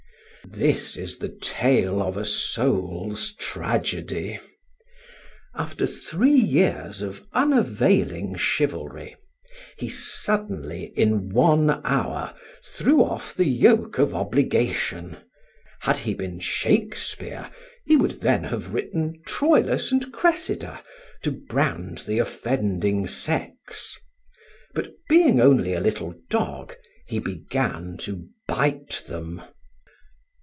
This is the tale of a soul's tragedy. After three years of unavailing chivalry, he suddenly, in one hour, threw off the yoke of obligation; had he been Shakespeare he would then have written Troilus and Cressida to brand the offending sex; but being only a little dog, he began to bite them.